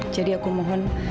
jadi aku mohon